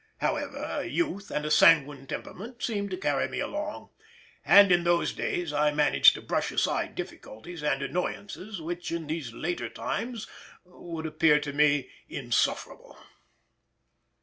However, youth and a sanguine temperament seemed to carry me along, and in those days I managed to brush aside difficulties and annoyances which in these later times would appear to me insufferable.